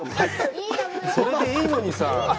それでいいのにさぁ。